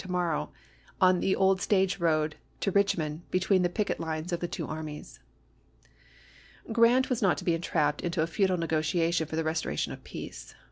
to morrow, on the old stage road to Rich mond between the picket lines of the two armies. Grant was not to be entrapped into a futile negc tiation for the restoration of peace.